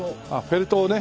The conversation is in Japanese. フェルトをね。